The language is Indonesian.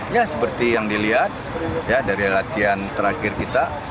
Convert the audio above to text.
ya seperti yang dilihat ya dari latihan terakhir kita